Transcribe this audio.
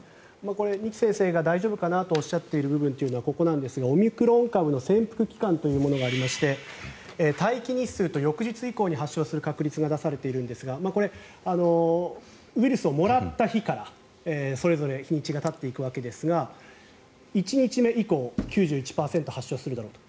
これ、二木先生が大丈夫かなとおっしゃっている部分というのはここなんですが、オミクロン株の潜伏期間というものがありまして待機日数と翌日以降に発症する確率が出されているんですがこれ、ウイルスをもらった日からそれぞれ日にちがたっていくわけですが１日目以降９１％発症するだろうと。